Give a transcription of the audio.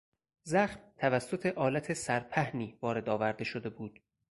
زخم توسط آلت سرپهنی وارد آورده شده بود.